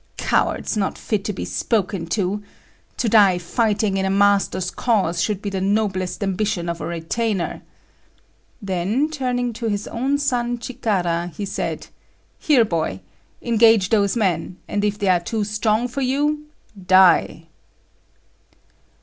Cowards, not fit to be spoken to! to die fighting in a master's cause should be the noblest ambition of a retainer!" Then turning to his own son Chikara, he said, "Here, boy! engage those men, and if they are too strong for you, die!"